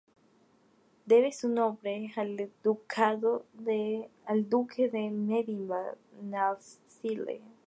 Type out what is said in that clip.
Debe su nombre al ducado de Medinaceli.